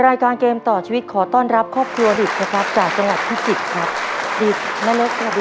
รายการเกมต่อชีวิตขอต้อนรับครอบครัวหลิบครับจากจังหักพี่สิทธิ์ครับ